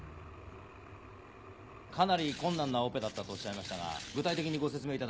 かなり困難なオペだったとおっしゃいましたが具体的にご説明をいただけますか？